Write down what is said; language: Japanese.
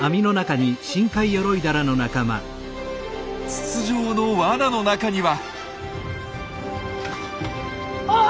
筒状の罠の中には。